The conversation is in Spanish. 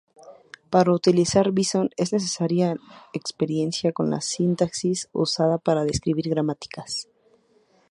Para utilizar "Bison", es necesaria experiencia con la sintaxis usada para describir gramáticas.